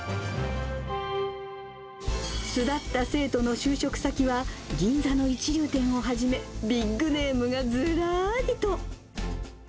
巣立った生徒の就職先は、銀座の一流店をはじめ、ビッグネームがずらーりと。